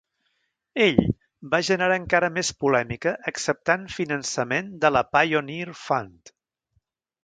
Ell va generar encara més polèmica acceptant finançament de la Pioneer Fund.